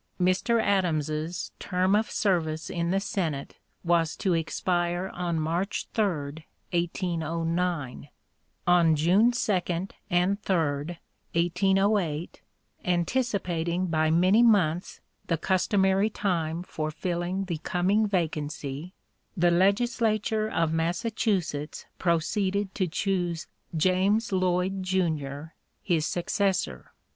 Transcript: Mr. Adams's term of service in the Senate was to expire on March 3, 1809. On June 2 and 3, 1808, anticipating by many months the customary time for filling (p. 057) the coming vacancy, the legislature of Massachusetts proceeded to choose James Lloyd, junior, his successor.